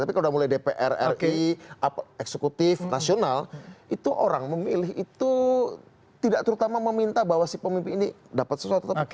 tapi kalau udah mulai dpr ri eksekutif nasional itu orang memilih itu tidak terutama meminta bahwa si pemimpin ini dapat sesuatu